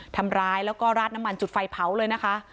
ทำร้ายแล้วก็ราดน้ำมันจุดไฟเผาเลยนะคะ